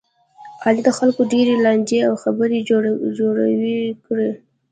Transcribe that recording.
علي د خلکو ډېرې لانجې او خبې جوړې کړلې.